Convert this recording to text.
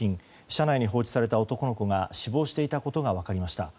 車内に放置された男の子が死亡していたことが分かりました。